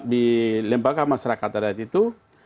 di lembaga masyarakat adat itu